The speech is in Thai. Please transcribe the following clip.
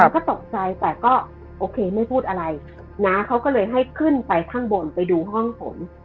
ก็ตกใจแต่ก็โอเคไม่พูดอะไรน้าเขาก็เลยให้ขึ้นไปข้างบนไปดูห้องผม